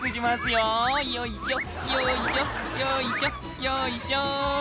よいしょ。